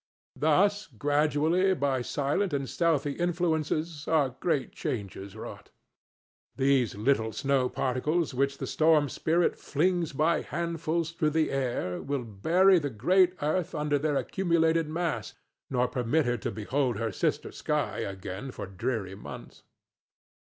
Thus gradually by silent and stealthy influences are great changes wrought. These little snow particles which the storm spirit flings by handfuls through the air will bury the great Earth under their accumulated mass, nor permit her to behold her sister Sky again for dreary months.